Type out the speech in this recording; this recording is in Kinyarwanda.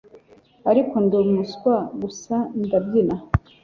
Ariko Ndi umuswa gusa ndabyina